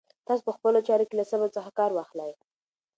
تاسو په خپلو چارو کې له صبر څخه کار واخلئ.